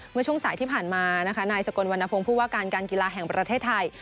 เมื่อช่วงสายที่ผ่านมานะคะนายสกลวรรณพงศ์ผู้ว่าการการกีฬาแห่งประเทศไทย